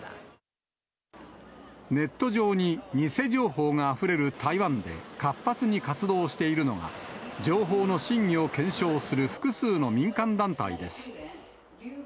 ネット上に偽情報があふれる台湾で活発に活動しているのが、情報の真偽を検証する複数の民間団体です。